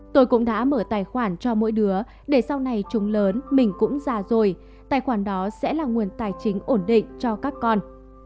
tôi cũng đã mở tài khoản cho mỗi đứa để sau này chúng lớn mình cũng già rồi tài khoản đó sẽ là nguồn tài chính ổn định cho các con